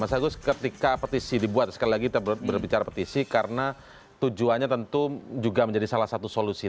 mas agus ketika petisi dibuat sekali lagi kita berbicara petisi karena tujuannya tentu juga menjadi salah satu solusi